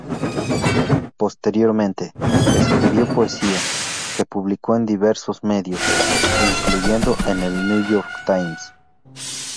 Posteriormente, escribió poesía, que publicó en diversos medios, incluyendo el New York Times.